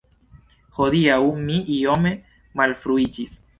Hodiaŭ mi iome malfruiĝis.